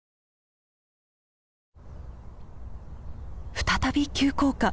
再び急降下！